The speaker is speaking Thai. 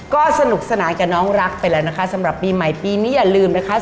ก็สนุกสนานกับน้องรักไปแล้วนะคะสำหรับปีใหม่ปีนี้อย่าลืมนะคะ